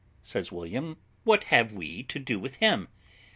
says William; "what have we to do with him?